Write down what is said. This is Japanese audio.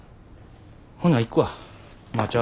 ほな行くわ。